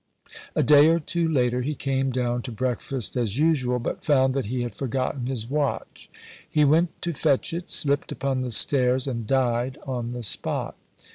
A day or two later, he came down to breakfast as usual, but found that he had forgotten his watch. He went to fetch it, slipped upon the stairs, and died on the spot.